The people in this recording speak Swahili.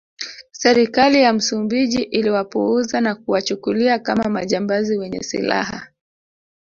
Serikali ya Msumbiji iliwapuuza na kuwachukulia kama majambazi wenye silaha